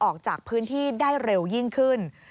ออกจากพื้นที่ได้เร็วยิ่งขึ้น